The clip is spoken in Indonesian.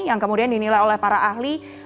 yang kemudian dinilai oleh para ahli